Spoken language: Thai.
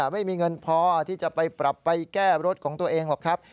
ไม่มีเงินพอที่จะไปปรับไปแก้รถของตัวเองหรอกครับ